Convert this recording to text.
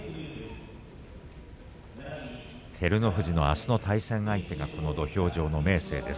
照ノ富士のあすの対戦相手が土俵上の明生です。